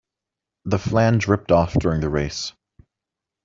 The flange ripped off during the race.